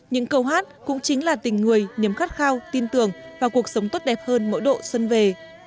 những câu hát cũng chính là tình người niềm khát khao tin tưởng vào cuộc sống tốt đẹp hơn mỗi độ xuân về